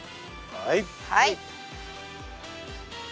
はい。